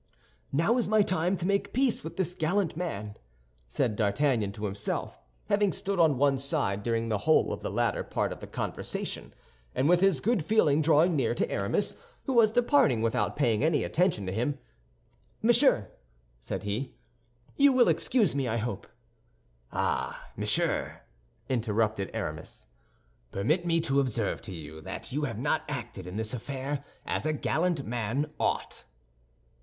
"Now is my time to make peace with this gallant man," said D'Artagnan to himself, having stood on one side during the whole of the latter part of the conversation; and with this good feeling drawing near to Aramis, who was departing without paying any attention to him, "Monsieur," said he, "you will excuse me, I hope." "Ah, monsieur," interrupted Aramis, "permit me to observe to you that you have not acted in this affair as a gallant man ought."